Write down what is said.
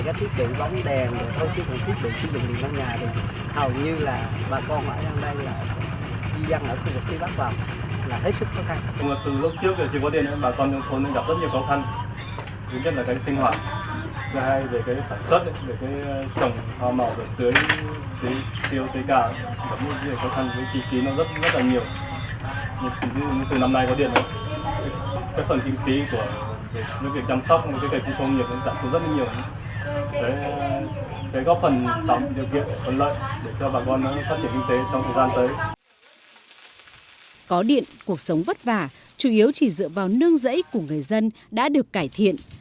có điện cuộc sống vất vả chủ yếu chỉ dựa vào nương rẫy của người dân đã được cải thiện